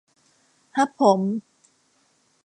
ฮับผม